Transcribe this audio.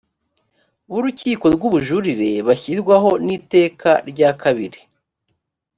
b urukiko rw ubujurire bashyirwaho n iteka rya kabiri